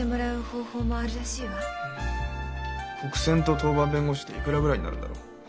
国選と当番弁護士でいくらぐらいになるんだろう？